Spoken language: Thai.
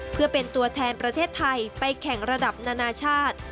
เพื่อเป็นตัวแทนประเทศไทยไปแข่งระดับนานาชาติ